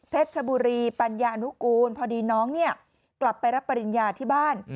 ชบุรีปัญญานุกูลพอดีน้องเนี่ยกลับไปรับปริญญาที่บ้าน